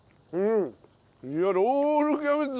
いやロールキャベツ！